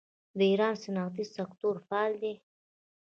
د ایران صنعتي سکتور فعال دی.